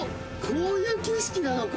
こういう景色なのか。